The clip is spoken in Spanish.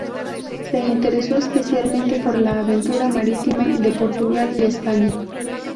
Se interesó especialmente por la aventura marítima de Portugal y España.